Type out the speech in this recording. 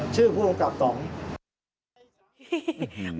ชื่อผู้ลงกับต่อมี